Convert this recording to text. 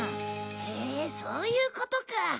へえそういうことか。